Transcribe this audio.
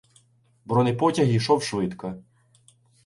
Бронепотяг йшов швидко.